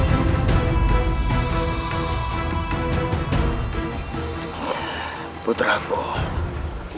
putraku kita kembali ke istana untuk mempersiapkan penyerangan anda